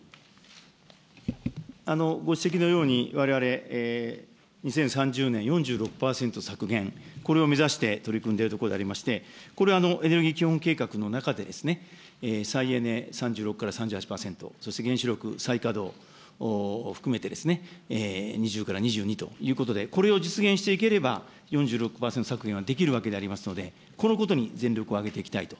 ご指摘のように、われわれ、２０３０年、４６％削減、これを目指して取り組んでいるところでありまして、これエネルギー基本計画の中でですね、再エネ３６から３８％、そして原子力再稼働含めて、２０から２２ということで、これを実現していければ、４６％削減はできるわけでありますので、このことに全力を挙げていきたいと。